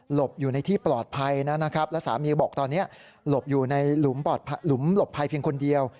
บอยู่ในที่ปลอดภัยนะครับแล้วสามีบอกตอนนี้หลบอยู่ในหลุมหลบภัยเพียงคนเดียว